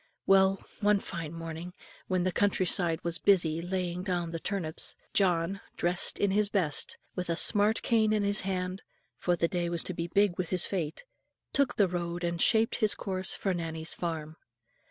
Well, one fine morning, when the country side was busy laying down the turnips, John, dressed in his best, with a smart cane in his hand, for the day was to be big with his fate, took the road and shaped his course for Nannie's farm.